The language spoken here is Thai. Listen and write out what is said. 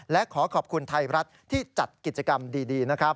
และขอขอบคุณไทยรัฐที่จัดกิจกรรมดีนะครับ